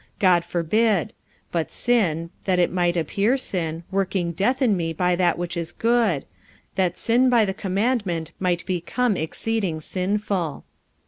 God forbid. But sin, that it might appear sin, working death in me by that which is good; that sin by the commandment might become exceeding sinful.